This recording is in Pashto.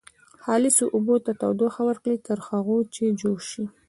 خالصو اوبو ته تودوخه ورکړئ تر هغو چې جوش شي.